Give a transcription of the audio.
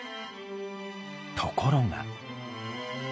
ところが。